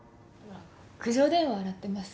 苦情電話洗ってます。